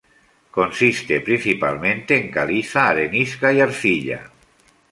Consiste principalmente en caliza, arenisca, y arcilla.